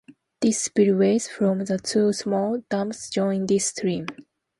The spillways from the two small dams join this stream.